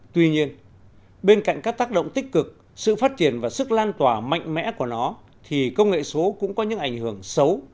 tuy nhiên bên cạnh các tác động tích cực sự phát triển và sức lan tỏa mạnh mẽ của nó thì công nghệ số cũng có những ảnh hưởng xấu